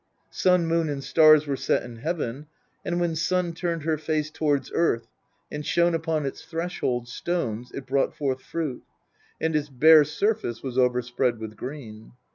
Sun, Moon, and stars were set in heaven, and when Sun turned her face towards Earth, and shone upon its " threshold " stones, it brought forth fruit, and its bare surface was overspread with green.